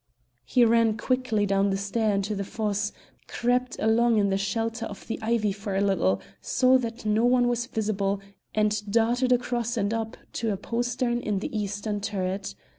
He ran quickly down the stair into the fosse, crept along in the shelter of the ivy for a little, saw that no one was visible, and darted across and up to a postern in the eastern turret.